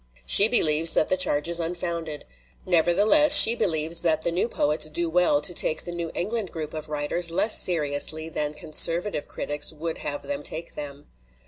She believes that the charge is unfounded. Nevertheless, she believes that the new poets do well to take the New England group of writers less seriously than conservative critics would have them take them.